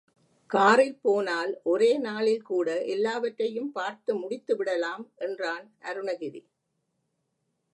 காரில் போனால் ஒரே நாளில் கூட எல்லாவற்றையும் பார்த்து முடித்து விடலாம், என்றான் அருணகிரி.